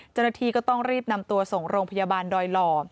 เจ้าหน้าที่ก็ต้องรีบนำตัวส่งโรงพยาบาลดอยหล่อ